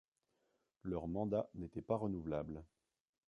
Leur mandat n’était pas renouvelable.